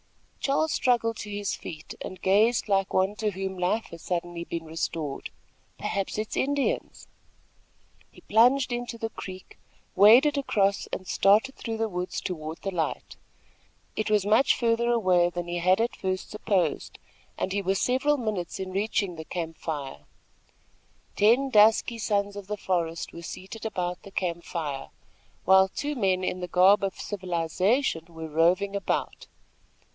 Charles struggled to his feet and gazed like one to whom life has suddenly been restored. "Perhaps it is Indians!" He plunged into the creek, waded across and started through the woods toward the light. It was much further away than he had at first supposed, and he was several minutes in reaching the camp fire. Ten dusky sons of the forest were seated about the camp fire, while two men in the garb of civilization were roving about.